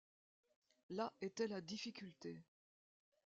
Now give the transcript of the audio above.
Là était la difficulté